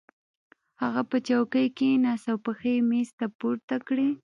هغه په چوکۍ کېناست او پښې یې مېز ته پورته کړې